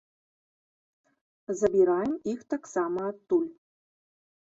Забіраем іх таксама адтуль.